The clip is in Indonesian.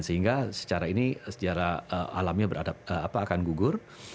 sehingga secara ini secara alamnya akan gugur